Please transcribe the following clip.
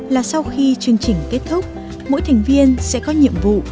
là sau khi chương trình kết thúc mỗi thành viên sẽ có nhiệm vụ